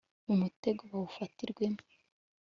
mu mutego bawufatirwemo